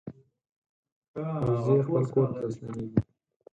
وزې خپل کور ته ستنېږي